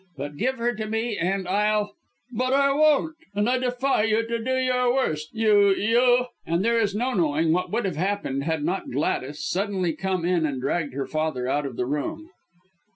But give her to me and I'll " "But I won't! And I defy you to do your worst, you you " and there is no knowing what would have happened, had not Gladys suddenly come in and dragged her father out of the room.